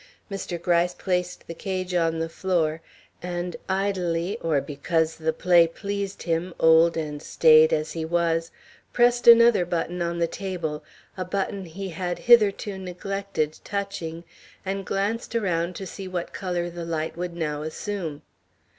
Mr. Gryce placed the cage on the floor, and idly, or because the play pleased him, old and staid as he was, pressed another button on the table a button he had hitherto neglected touching and glanced around to see what color the light would now assume.